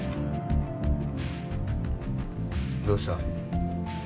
どうした？